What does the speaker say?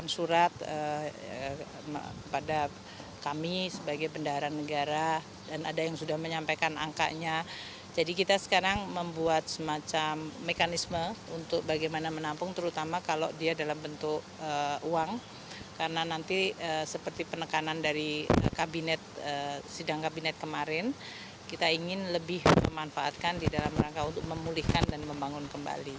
sedang kabinet kemarin kita ingin lebih memanfaatkan di dalam rangka untuk memulihkan dan membangun kembali